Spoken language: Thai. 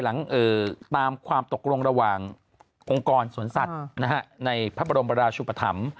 ตามความตกลงระหว่างองค์กรสวนสัตว์ในพระบรมราชุปธรรม